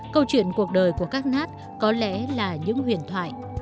câu chuyện cuộc đời của các nát có lẽ là những huyền thoại